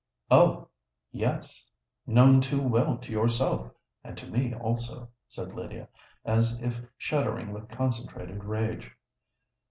"Oh! yes—known too well to yourself and to me also!" said Lydia, as if shuddering with concentrated rage.